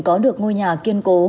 có được ngôi nhà kiên cố